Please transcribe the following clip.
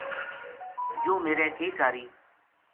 یوہ میرے کے کاری